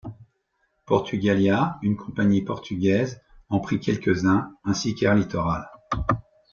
Portugalia, une compagnie portugaise, en prit quelques-uns ainsi qu'Air Littoral.